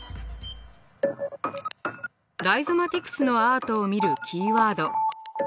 ライゾマティクスのアートを見るキーワード。